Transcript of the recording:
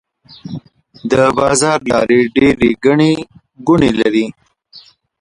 د بازار لارې ډيرې ګڼې ګوڼې لري.